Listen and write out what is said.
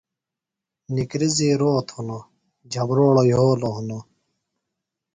نِکرزیۡ روت ہِنوۡ جھمبروڑوۡ یھولوۡ ہِنوۡ